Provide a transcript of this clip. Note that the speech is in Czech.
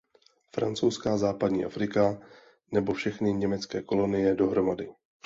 Francouzská západní Afrika nebo všechny německé kolonie dohromady.